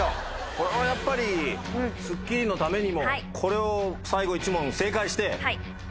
これはやっぱり『スッキリ』のためにもこれを最後１問正解して。